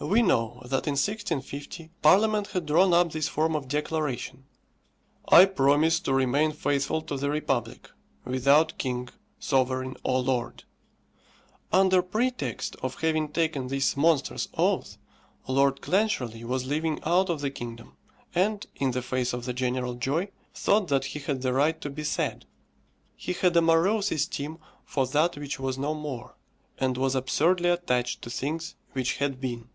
We know that in 1650 Parliament had drawn up this form of declaration: "I promise to remain faithful to the republic, without king, sovereign, or lord." Under pretext of having taken this monstrous oath, Lord Clancharlie was living out of the kingdom, and, in the face of the general joy, thought that he had the right to be sad. He had a morose esteem for that which was no more, and was absurdly attached to things which had been.